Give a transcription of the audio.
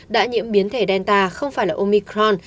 đã nhiễm biến thể delta không phải là omicron